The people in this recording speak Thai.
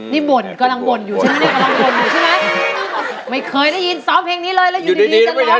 นี่ม่นเกือบบ่นอยู่ใช่ไหมเป็นพี่อ่อน